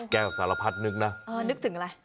สารพัดนึกนะเออนึกถึงอะไร